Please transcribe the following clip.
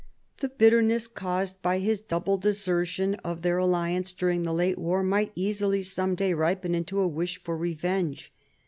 The bitterness caused by his double desertion of their alliance during the late war might easily some day ripen into a wish for revenge.